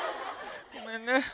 ごめんね。